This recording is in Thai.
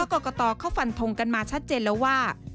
กรกตเขาฟันทงกันมาชัดเจนแล้วว่า